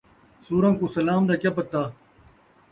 سوراں کوں سلام دا کیا پتہ